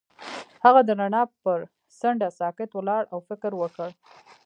هغه د رڼا پر څنډه ساکت ولاړ او فکر وکړ.